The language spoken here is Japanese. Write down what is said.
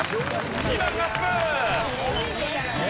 ２段アップ！